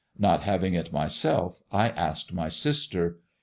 Not having it myself I asked my sister.